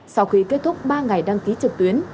sau khi kết thúc ba ngày đăng ký trực tuyến